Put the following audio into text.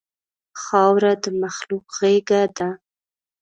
خاوره د مخلوق غېږه ده.